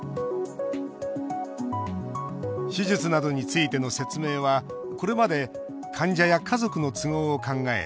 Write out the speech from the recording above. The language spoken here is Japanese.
手術などについての説明はこれまで患者や家族の都合を考え